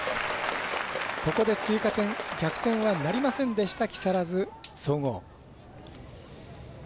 ここで追加点逆転はなりませんでした木更津総合。